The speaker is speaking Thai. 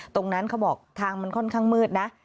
ตรงนั้นเขาบอกทางมันค่อนข้างมืดนะ